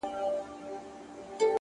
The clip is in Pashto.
هره لاره خپله ځانګړې پایله لري’